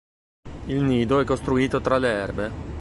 Il nido è costruito tra le erbe.